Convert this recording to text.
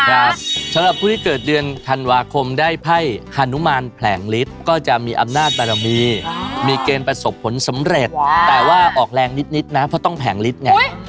สำหรับผู้ที่เกิดเดือนธันวาคมได้ไพ่ฮานุมานแผลงฤทธิ์ก็จะมีอำนาจบารมีมีเกณฑ์ประสบผลสำเร็จแต่ว่าออกแรงนิดนะเพราะต้องแผงฤทธิ์ไง